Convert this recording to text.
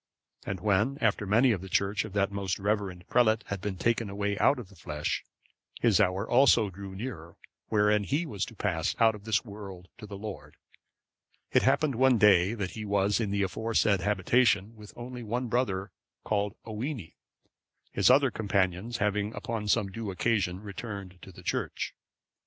And when, after many of the Church of that most reverend prelate had been taken away out of the flesh, his hour also drew near wherein he was to pass out of this world to the Lord, it happened one day that he was in the aforesaid habitation with only one brother, called Owini,(549) his other companions having upon some due occasion returned to the church.